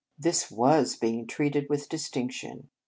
This was being treated with dis tinction.